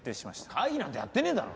会議なんてやってねえだろ。